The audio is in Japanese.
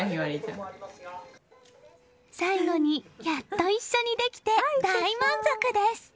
最後に、やっと一緒にできて大満足です！